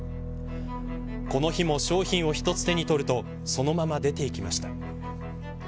この日も商品を１つ手に取るとそのまま出ていきました。